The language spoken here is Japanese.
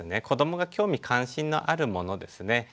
子どもが興味関心のあるものですね